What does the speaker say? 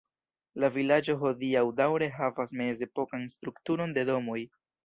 La vilaĝo hodiaŭ daŭre havas mezepokan strukturon de domoj.